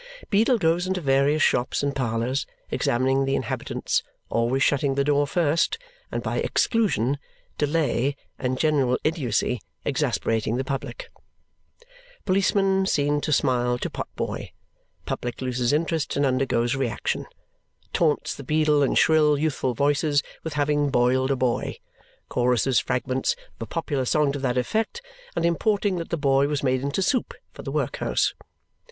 Beadle goes into various shops and parlours, examining the inhabitants, always shutting the door first, and by exclusion, delay, and general idiotcy exasperating the public. Policeman seen to smile to potboy. Public loses interest and undergoes reaction. Taunts the beadle in shrill youthful voices with having boiled a boy, choruses fragments of a popular song to that effect and importing that the boy was made into soup for the workhouse.